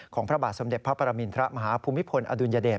ของพระบาสมเด็จพระประมาณมีนพระมหาภูมิฝนอดุลยาเดต